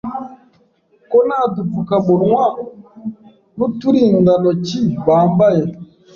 ko nta dupfukamunwa n'uturindantoki bambaye